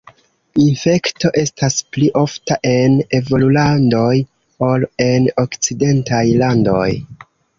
Infekto estas pli ofta en evolulandoj ol en okcidentaj landoj.